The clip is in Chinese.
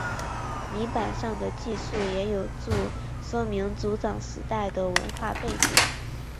泥版上的记述也有助说明族长时代的文化背景。